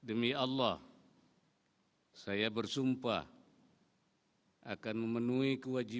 untuk berjaya dan melukai